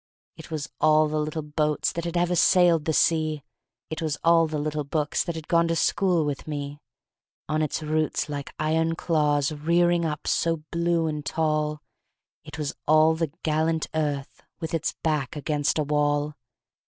It was all the little boats That had ever sailed the sea, It was all the little books That had gone to school with me; On its roots like iron claws Rearing up so blue and tall, It was all the gallant Earth With its back against a wall!